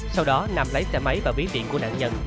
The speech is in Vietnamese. sau đó nam lấy xe máy và bí điện của nạn nhân